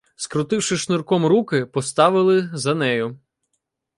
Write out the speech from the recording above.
Скрутивши шнурком руки, поставили за нею.